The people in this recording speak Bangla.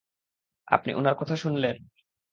আপনি উনার কথা শুনলেন?